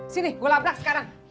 sini gua laprak sekarang